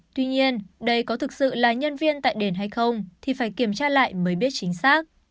tuy nhiên đây có thực sự là nhân viên tại đền hay không thì phải kiểm tra lại mới biết chính xác